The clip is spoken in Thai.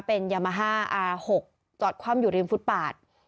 เป็นยามาฮ่าอา๖จอดคว่ำอยู่ริมฟุตปาด